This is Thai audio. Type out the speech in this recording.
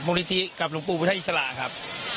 มากับโรงคลัววิทยาวิทยาลัยสละครับ